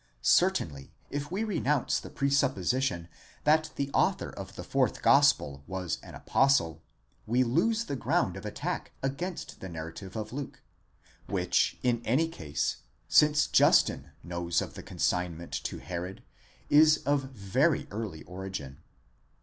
Certainly if we renounce the presupposition that the author of the fourth gospel was an apostle, we lose the ground of attack against the narra tive of Luke, which in any case, since Justin knows of the consignment to Herod,° is of very early origin.